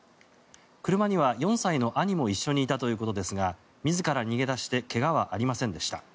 車には４歳の兄も一緒にいたということですが自ら逃げ出して怪我はありませんでした。